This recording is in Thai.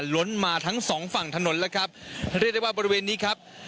ล้นมาทั้งสองฝั่งถนนแล้วครับเรียกได้ว่าบริเวณนี้ครับ